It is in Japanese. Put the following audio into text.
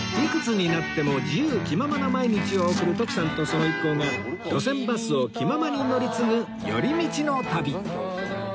いくつになっても自由気ままな毎日を送る徳さんとその一行が路線バスを気ままに乗り継ぐ寄り道の旅